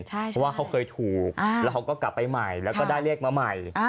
เพราะว่าเขาเคยถูกแล้วเขาก็กลับไปใหม่แล้วก็ได้เลขมาใหม่